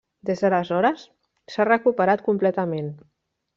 Des d'aleshores s'ha recuperat completament.